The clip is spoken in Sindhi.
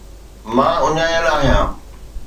مان اڃايل آهيان